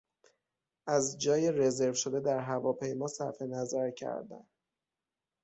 از جای رزرو شده در هواپیما صرفنظرکردن